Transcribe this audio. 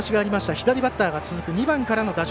左バッターが続く２番からの打順。